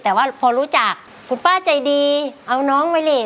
แต่ว่าพอรู้จักคุณป้าใจดีเอาน้องมานี่